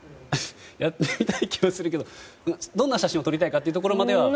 やってみたい気はするけどどんな写真を撮りたいかというところまでは。